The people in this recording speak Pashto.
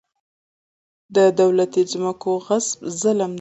د دولتي ځمکو غصب ظلم دی.